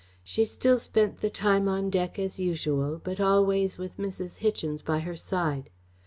She still spent the time on deck as usual, but always with Mrs. Hichens by her side.